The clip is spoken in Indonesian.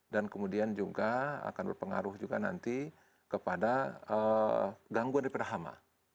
dan kemudian juga akan berpengaruh juga nanti kepada gangguan daripada hama